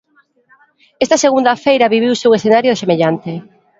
Esta segunda feira viviuse un escenario semellante.